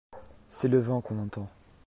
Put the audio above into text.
C'est le vent qu'on entend.